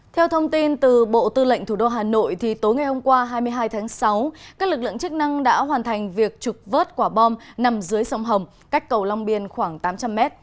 theo thông tin từ bộ tư lệnh thủ đô hà nội tối ngày hôm qua hai mươi hai tháng sáu các lực lượng chức năng đã hoàn thành việc trục vớt quả bom nằm dưới sông hồng cách cầu long biên khoảng tám trăm linh m